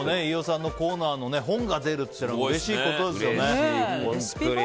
飯尾さんのコーナーの本が出るというのはうれしいことですよね。